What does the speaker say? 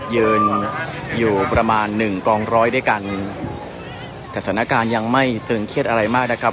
ยืนอยู่ประมาณหนึ่งกองร้อยด้วยกันแต่สถานการณ์ยังไม่ตึงเครียดอะไรมากนะครับ